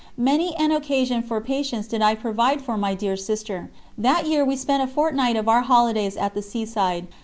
Many an occasion for patience did I provide for my dear sister. That year we spent a fortnight of our holidays at the sea side.